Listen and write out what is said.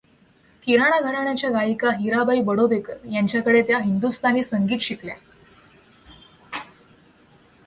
किराणा घराण्याच्या गायिका हिराबाई बडोदेकर यांच्याकडे त्या हिंदुस्तानी संगीत शिकल्या.